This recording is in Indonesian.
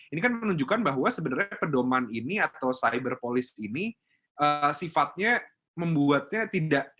ini kan menunjukkan bahwa sebenarnya pedoman ini atau cyber police ini sifatnya membuatnya tidak